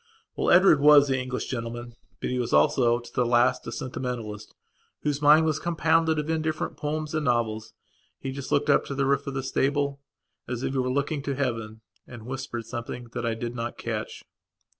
Well, Edward was the English gentleman; but he was also, to the last, a sentimentalist, whose mind was compounded of indifferent poems and novels. He just looked up to the roof of the stable, as if he were looking to Heaven, and whispered something that I did not catch.